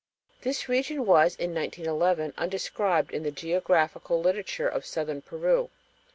This region was in 1911 undescribed in the geographical literature of southern Peru.